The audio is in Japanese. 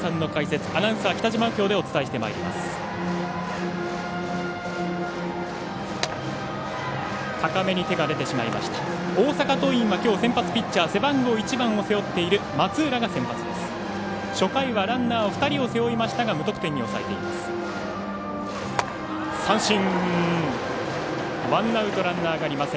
初回はランナー、２人を背負いましたが無得点に抑えています。